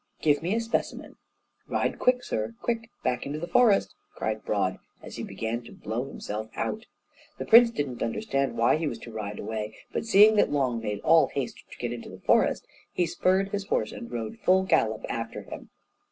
"Give me a specimen." "Ride quick, sir, quick, back into the forest!" cried Broad, as he began to blow himself out. The prince didn't understand why he was to ride away; but seeing that Long made all haste to get into the forest, he spurred his horse and rode full gallop after him.